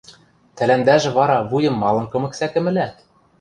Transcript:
Тӓлӓндӓжӹ вара вуйым малын кымык сӓкӹмӹлӓ?